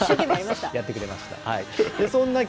やってくれました。